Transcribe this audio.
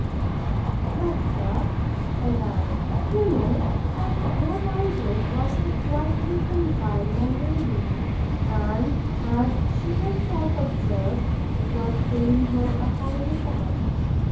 But, sir, said I, you know, that what I did was to try to reconcile my lady; and, as she herself observed, it was paying her a high regard.